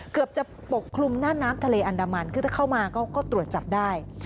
เกือบจะปกคลุมหน้าน้ำทะเลอันดามันคือถ้าเข้ามาก็ตรวจจับได้